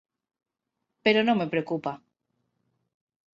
Pero no me preocupa.